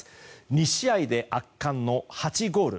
２試合で圧巻の８ゴール。